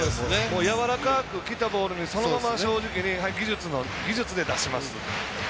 やわらかく甘くきたボールにそのまま正直に技術で出します。